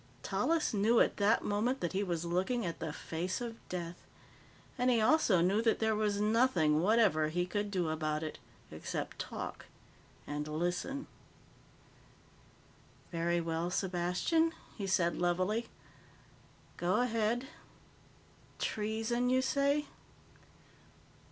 Tallis knew at that moment that he was looking at the face of Death. And he also knew that there was nothing whatever he could do about it. Except talk. And listen. "Very well, Sepastian," he said levelly. "Go ahead. Treason, you say?